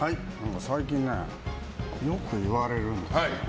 最近ね、よく言われるんですよ。